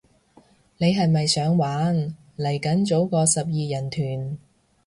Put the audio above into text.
你係咪想玩，嚟緊組個十二人團